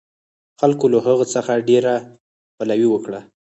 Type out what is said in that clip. خلکو له هغه څخه ډېره پلوي وکړه.